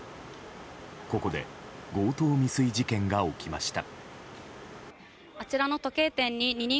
ここで強盗未遂事件が起きました。